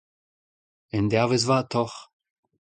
Endervezh vat deoc'h.